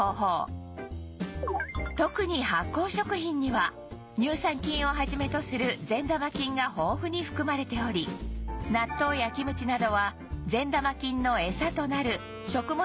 特に発酵食品には乳酸菌を始めとする善玉菌が豊富に含まれており納豆やキムチなどは善玉菌のエサとなる食物